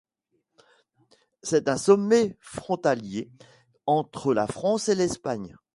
C'est un sommet frontalier entre la France et l'Espagne.